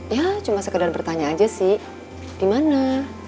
ya cuma sekedar bertanya aja sih dimana